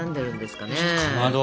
かまど